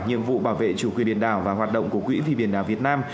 nhiệm vụ bảo vệ chủ quyền biển đảo và hoạt động của quỹ vì biển đảo việt nam